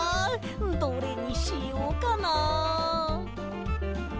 どれにしようかな？